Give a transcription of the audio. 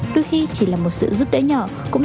đôi khi chỉ là một sự giúp đỡ nhỏ